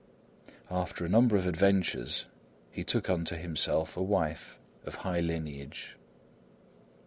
After a number of adventures he took unto himself a wife of high lineage.